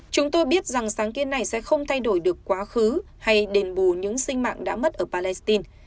chúng tôi biết rằng sáng kiến này sẽ không thay đổi được quá khứ hay đền bù những sinh mạng đã mất ở palestine